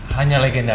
hanya legenda aja